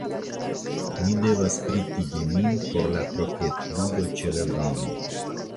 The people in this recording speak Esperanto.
Mi devas pretigi min por la kroketludo ĉe la Damo.